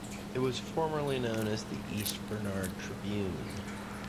It was formerly known as the East Bernard Tribune.